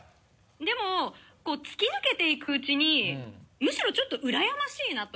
でも突き抜けていく内にむしろちょっとうらやましいなと。